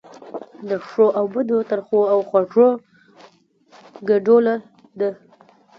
د ښو او بدو، ترخو او خوږو ګډوله ده.